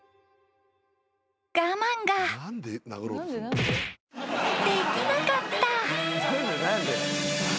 ［我慢ができなかった］